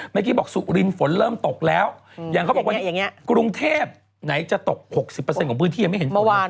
เมื่อกี้บอกสุรินทร์ฝนเริ่มตกแล้วอย่างเขาบอกว่ากรุงเทพไหนจะตก๖๐ของพื้นที่ยังไม่เห็นเมื่อวาน